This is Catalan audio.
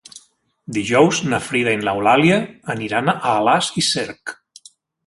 Dijous na Frida i n'Eulàlia aniran a Alàs i Cerc.